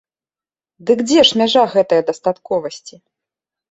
Дык дзе ж мяжа гэтае дастатковасці?